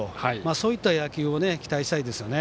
そういった野球を期待したいですよね。